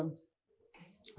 ada potensi apa